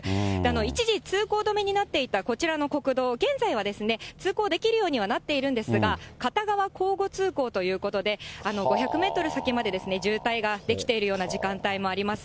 一時通行止めになっていたこちらの国道、現在は通行できるようにはなっているんですが、片側交互通行ということで、５００メートル先まで渋滞ができているような時間帯もあります。